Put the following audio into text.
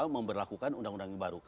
memperlakukan undang undang yang baru